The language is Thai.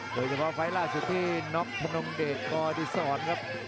โดยเฉพาะไฟล์ล่าสุดที่น็อกธนงเดชกอดิษรครับ